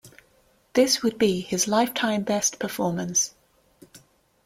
This would be his lifetime best performance.